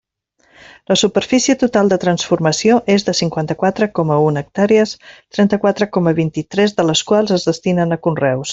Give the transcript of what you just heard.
La superfície total de transformació és de cinquanta-quatre coma un hectàrees trenta-quatre coma vint-i-tres de les quals es destinen a conreus.